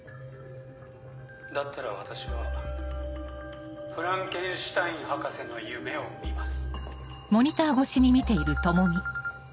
だったら私はフランケンシュタイン博士の夢を見ます。